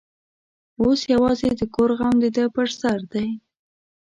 اوس یوازې د کور غم د ده پر سر دی.